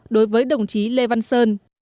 đối với đồng chí lê văn sơn